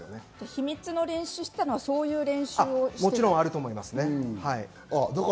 秘密の練習をしていたのは、そういう練習なんですか？